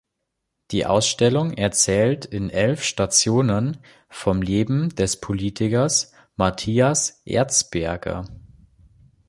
Die Ausstellung erzählt in elf Stationen vom Leben des Politikers Matthias Erzberger.